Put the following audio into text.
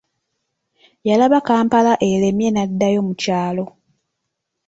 Yalaba Kampala alemye n'addayo mu kyalo.